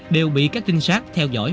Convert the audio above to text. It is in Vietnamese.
đều bị các tinh sát theo dõi